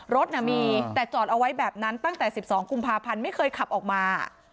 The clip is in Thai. รถมีแต่จอดเอาไว้แบบนั้นตั้งแต่๑๒กุมภาพันธ์ไม่เคยขับออกมา